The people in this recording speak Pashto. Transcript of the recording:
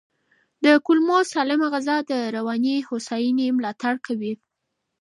د کولمو سالمه غذا د رواني هوساینې ملاتړ کوي.